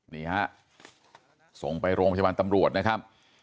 นี่ฮะส่งไปโรงพยาบาลตำรวจนะครับ